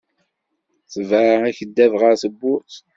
Tbeɛ akeddab ɣer tebburt.